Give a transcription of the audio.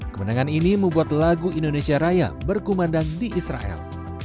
kemenangan ini membuat lagu indonesia raya berkumandang di israel